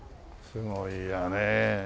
すごいやね。